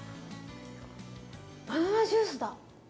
バナナジュースだ！